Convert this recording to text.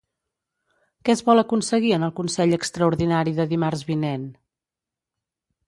Què es vol aconseguir en el consell extraordinari de dimarts vinent?